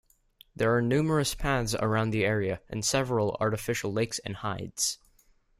There are numerous paths around the area, and several artificial lakes and hides.